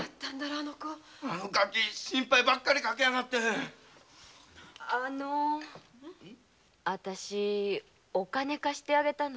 あのガキ心配ばかりかけやがってあのあたしお金貸してあげたの。